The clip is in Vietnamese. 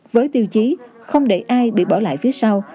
với tiêu chí không để ai bị bỏ lại phía sau